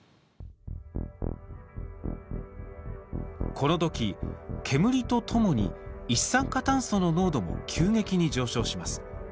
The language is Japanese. このとき、煙とともに一酸化炭素の濃度も急激に上昇します。